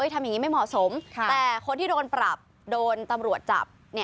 ทำอย่างนี้ไม่เหมาะสมแต่คนที่โดนปรับโดนตำรวจจับ